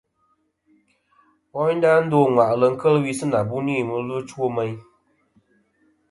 Wayndà dô ŋwàʼlɨ keli wi si na buni a ma ɨlvɨ ɨ chow meyn.